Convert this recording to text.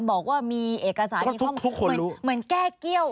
บอกว่ามีเอกสารอยู่ข้างบนเหมือนแก้เกี้ยว